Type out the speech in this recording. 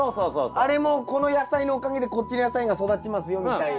あれもこの野菜のおかげでこっちの野菜が育ちますよみたいな。